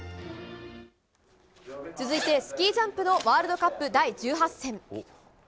続いてスキージャンプのワールドカップ第１８戦。